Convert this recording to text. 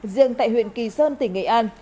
riêng tại huyện kỳ sơn tỉnh nghệ an